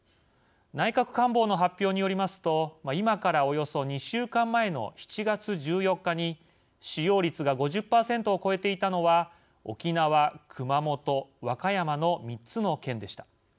内閣官房の発表によりますと今から、およそ２週間前の７月１４日に使用率が５０％を超えていたのは沖縄、熊本、和歌山の３つの県でした。